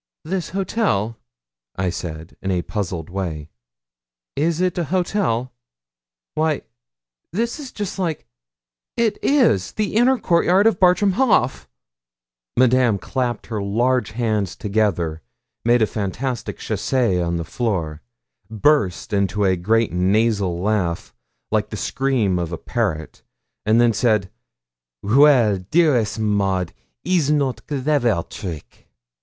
'This hotel,' I said, in a puzzled way. 'Is it a hotel? Why this is just like it is the inner court of Bartram Haugh!' Madame clapped her large hands together, made a fantastic chassé on the floor, burst into a great nasal laugh like the scream of a parrot, and then said 'Well, dearest Maud, is not clever trick?'